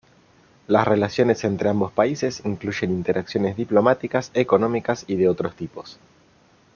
Las relaciones entre ambos países incluyen interacciones diplomáticas, económicas y de otros tipos.